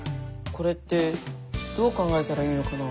これってどう考えたらいいのかな？